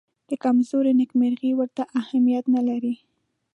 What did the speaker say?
د کمزورو نېکمرغي ورته اهمیت نه لري.